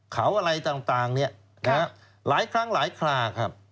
เขาอะไรต่างหลายครั้งหลายคราครับ